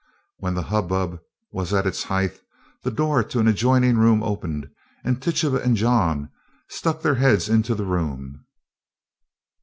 When the hubbub was at its height, the door to an adjoining room opened, and Tituba and John stuck their heads into the room.